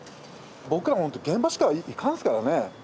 僕らほんと現場しか行かんすからね。